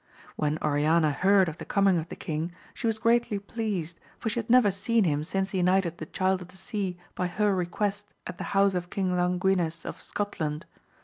When Oriana heard of the coming of the king, she was greatly pleased, for she had never seen him since he knighted the Child of the Sea by her request at the house of King Languines of Scotland.